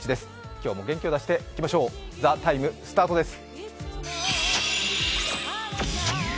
今日も元気を出していきましょう、「ＴＨＥＴＩＭＥ，」スタートです。